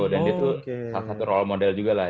dan dia tuh salah satu role model juga lah